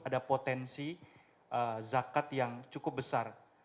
ada potensi zakat yang cukup besar